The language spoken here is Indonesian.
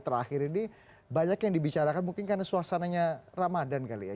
terakhir ini banyak yang dibicarakan mungkin karena suasananya ramadan kali ya